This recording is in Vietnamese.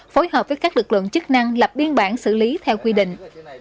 phối hợp với các lực lượng chức năng lập biên bản xử lý theo quy định